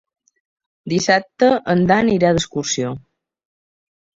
Dissabte en Dan irà d'excursió.